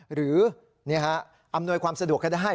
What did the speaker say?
หรืออำนวยความสะดวกค่ะได้